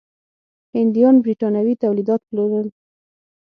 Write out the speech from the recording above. هندیان برېټانوي تولیدات پلورل.